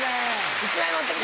１枚持ってきて！